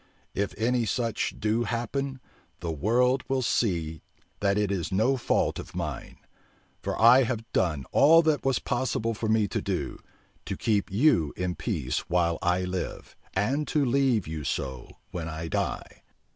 If any such do happen, the world will see that it is no fault of mine; for I have done all that it was possible for me to do, to keep you in peace while I live, and to leave you so when I die.